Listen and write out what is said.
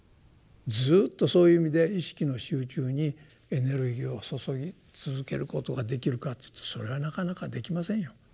ずっとそういう意味で意識の集中にエネルギーを注ぎ続けることができるかっていうとそれはなかなかできませんよ。